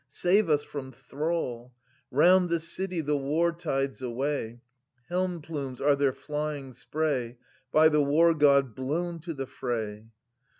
Save us from thrall ! Round the city the war tides sway ; Helm plumes are their flying spray By the War god blown to the fray.